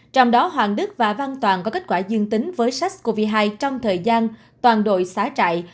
trong đó hoàng đức và văn toàn có kết quả dương tính với sars cov hai trong thời gian toàn đội xá chạy